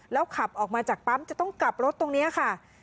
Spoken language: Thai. ขับออกมาจากปั๊มจะต้องกลับรถตรงนี้ค่ะ